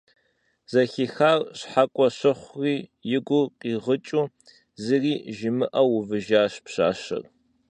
Зэхихар щхьэкӀуэ щыхьури, и гур къигъыкӀыу, зыри жимыӀэу увыжащ пщащэр.